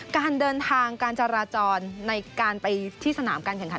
การเดินทางการจราจรในการไปที่สนามการแข่งขัน